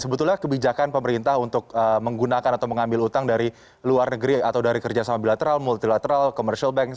sebetulnya kebijakan pemerintah untuk menggunakan atau mengambil utang dari luar negeri atau dari kerjasama bilateral multilateral commercial bank